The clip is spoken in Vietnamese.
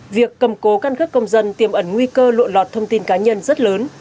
việc cầm cố căn cước công dân tiềm ẩn nguy cơ lộn lọt thông tin cá nhân rất lớn